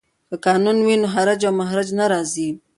که قانون وي نو هرج و مرج نه راځي.